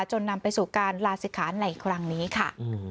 นำไปสู่การลาศิกขาในครั้งนี้ค่ะ